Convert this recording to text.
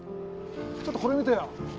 ちょっとこれ見てよ